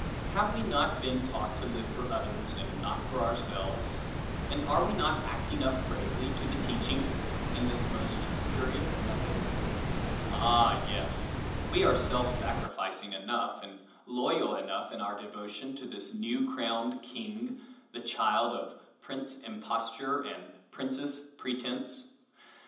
Have we not been taught to live for others and not for ourselves, and are we not acting up bravely to the teaching in this most curious method? Ah! yes, we are self sacrificing enough, and loyal enough in our devotion to this new crowned king, the child of Prince Imposture and Princess Pretense.